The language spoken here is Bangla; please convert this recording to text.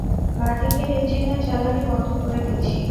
বাঁ-দিকের ইঞ্জিনের জ্বালানি বন্ধ করে দিচ্ছি।